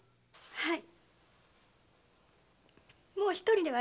はい！